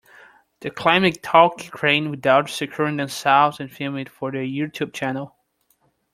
They climbed a tall crane without securing themselves and filmed it for their YouTube channel.